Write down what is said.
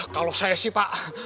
kalau saya sih pak